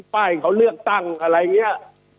ป้ายเขาเลือกตั้งอะไรเงี้ย